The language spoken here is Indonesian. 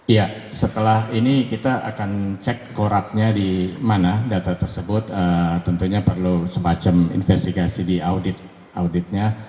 iya setelah ini kita akan cek koraknya di mana data tersebut tentunya perlu semacam investigasi di auditnya